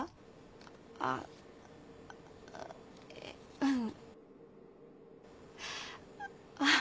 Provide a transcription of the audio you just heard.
うん。